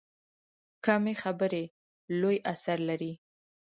کمې خبرې، لوی اثر لري.